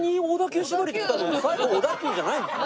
最後小田急じゃないんですね。